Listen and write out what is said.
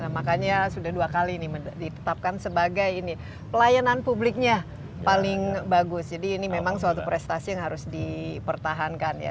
makanya sudah dua kali ditetapkan sebagai ini pelayanan publiknya paling bagus jadi ini memang suatu prestasi yang harus dipertahankan ya